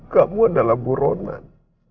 kamu adalah buronan